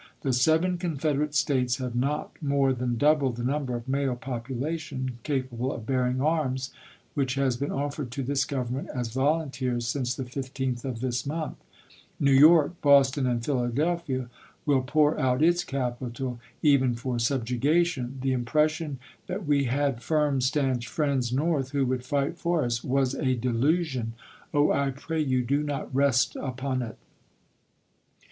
.. The seven Confederate States have not more than double the number of male population capable of bearing arms which has been offered to this Government as volunteers since the 15th of this month. New York, Boston, and Philadelphia will pour out its capital even for subjugation. The impression that we had firm, stanch friends North who would fight for us was a delusion. Oh ! I pray you do not rest upon it.